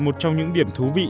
một trong những điểm thú vị